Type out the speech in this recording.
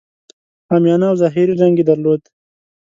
عامیانه او ظاهري رنګ یې درلود.